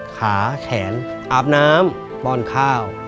ขาแขนอาบน้ำป้อนข้าว